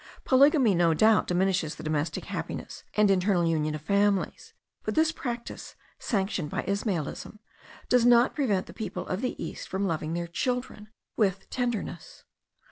Polygamy no doubt diminishes the domestic happiness and internal union of families; but this practice, sanctioned by Ismaelism, does not prevent the people of the east from loving their children with tenderness.